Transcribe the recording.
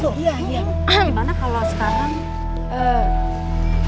gimana kalau sekarang